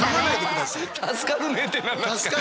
「助かるね」って何なんすか。